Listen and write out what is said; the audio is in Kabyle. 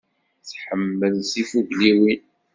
Tḥemmel tifugliwin.